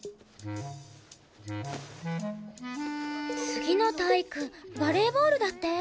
次の体育バレーボールだって。